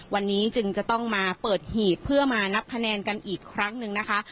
วันนี้จึงจะต้องมาเปิดหีบเพื่อมานับคะแนนกันอีกครั้งหนึ่งนะคะ